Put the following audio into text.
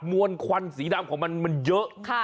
มวลควันสีดำของมันมันเยอะ